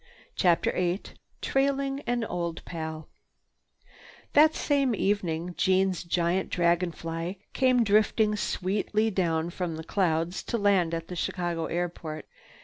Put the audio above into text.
CHAPTER VIII TRAILING AN OLD PAL That same evening Jeanne's giant dragon fly came drifting sweetly down from the clouds to land at the Chicago airport.